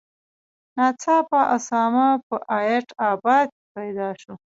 ناڅاپه اسامه په ایبټ آباد کې پیدا شو.